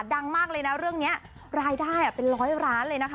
ดังมากเลยนะเรื่องนี้รายได้เป็นร้อยล้านเลยนะคะ